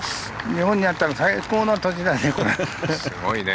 日本にあったら最高の土地だね。